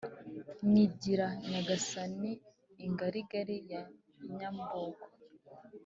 nyigira nyangara ingarigari ya nyambogo.